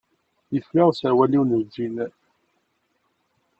Yefla userwal-iw n lǧin.